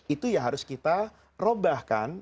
itu ya harus kita ubahkan